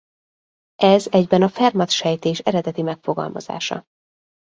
Ez egyben a Fermat-sejtés eredeti megfogalmazása.